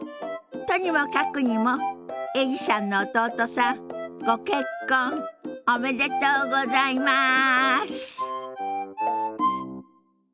とにもかくにもエリさんの弟さんご結婚おめでとうございます！